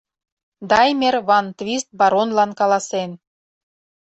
— Даймер-ван-Твист баронлан каласен.